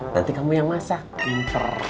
nanti kamu yang masak pinter